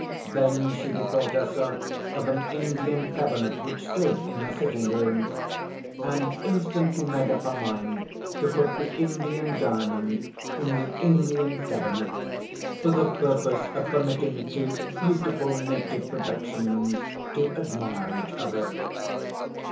Then she bethought herself of an Indian cabinet which stood in her sitting room; and instantly made up her mind to put the Indian diamond in the Indian cabinet, for the purpose of permitting two beautiful native productions to admire each other.